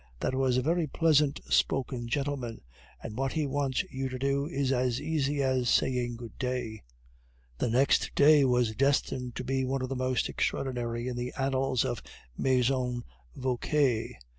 That was a very pleasant spoken gentleman, and what he wants you to do is as easy as saying 'Good day.'" The next day was destined to be one of the most extraordinary in the annals of the Maison Vauquer.